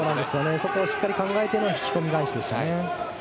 そこをしっかり考えての引き込み返しでした。